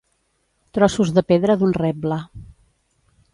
Trossos de pedra d'un reble.